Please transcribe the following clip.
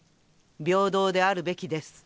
平等であるべきです。